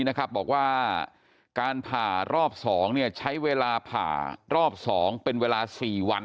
บอกว่าการผ่ารอบ๒ใช้เวลาผ่ารอบ๒เป็นเวลา๔วัน